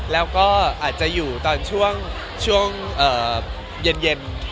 แล้วก็อาจจะอยู่ตอนช่วงเย็น